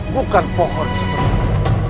bukan pohon seperti ini